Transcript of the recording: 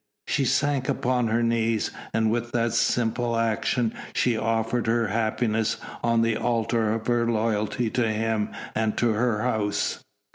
She sank upon her knees, and with that simple action she offered her happiness on the altar of her loyalty to him and to her house.